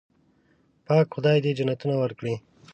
پاک خدای دې جنتونه ورکړي.